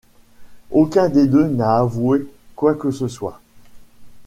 Aucun des deux n'a avoué quoi que ce soit.